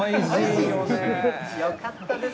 よかったです。